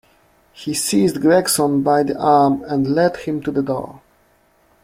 He seized Gregson by the arm and led him to the door.